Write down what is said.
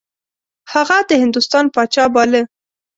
هغه د هندوستان پاچا باله.